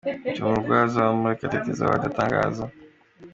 Ibyo umurwaza wa Murekatete Zawadi atangaza.